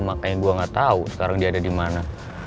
makanya gue gak tau sekarang dia ada dimana